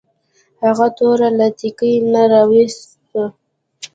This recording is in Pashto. هغه توره له تیکي نه راویوسته.